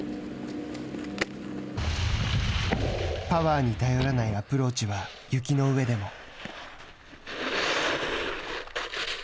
パワーに頼らないアプローチは雪の上でも。